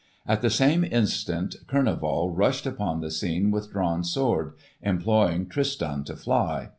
At the same instant Kurneval rushed upon the scene with drawn sword, imploring Tristan to fly.